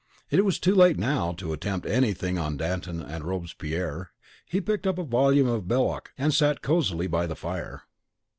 It was too late now to attempt anything on Danton and Robespierre; he picked up a volume of Belloc and sat cosily by the fire.